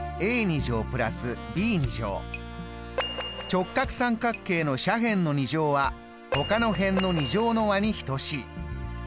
直角三角形の斜辺の２乗はほかの辺の２乗の和に等しい。